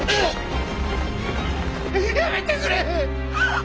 やめてくれ！